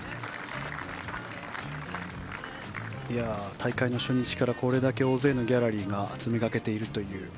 大会初日からこれだけ多くのギャラリーが詰めかけているという。